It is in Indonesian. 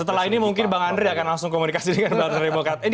setelah ini mungkin bang andre akan langsung komunikasi dengan partai demokrat